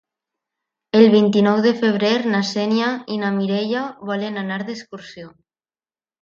El vint-i-nou de febrer na Xènia i na Mireia volen anar d'excursió.